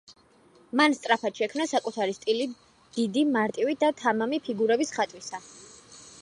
მან სწრაფად შემქნა საკუთარი სტილი დიდი, მარტივი და თამამი ფიგურების ხატვისა.